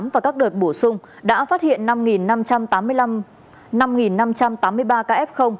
và các đợt bổ sung đã phát hiện năm năm trăm tám mươi ba kf